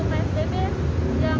yang memang benar benar dari puasa kan